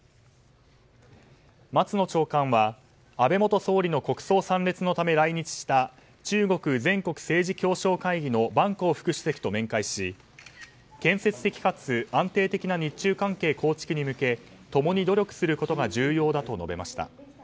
松野朝刊は安倍元総理の国葬出席のため来日した中国全国政治協商会議のバン・コウ副主席と面会し建設的かつ安定的な日中関係構築に向けて共に努力することが重要だと述べました。